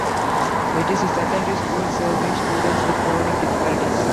It is a secondary school serving students with learning difficulties.